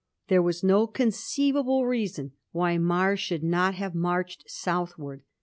There was no conceivable reason why Mar should not have marched southward.